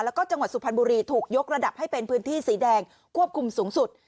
แล้วก็จังหวัดสุพรรณบุรีถูกยกระดับให้เป็นพื้นที่สีแดงควบคุมสูงสุด